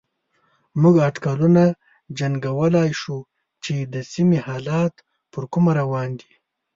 موږ اټکلونه جنګولای شو چې د سيمې حالات پر کومه روان دي.